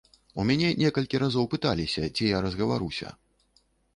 У мяне некалькі разоў пыталіся, ці я разгаваруся.